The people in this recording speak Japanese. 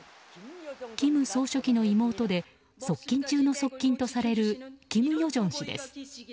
金総書記の妹で側近中の側近とされる金与正氏です。